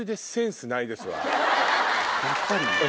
やっぱり？